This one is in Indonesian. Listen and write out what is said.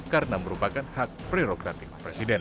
karena merupakan hak prerogatif presiden